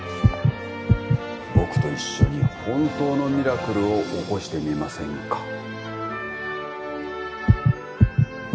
僕と一緒に本当のミラクルを起こしてみませんか？